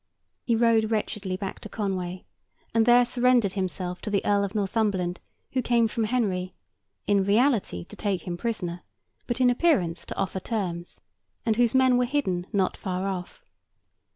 He rode wretchedly back to Conway, and there surrendered himself to the Earl of Northumberland, who came from Henry, in reality to take him prisoner, but in appearance to offer terms; and whose men were hidden not far off.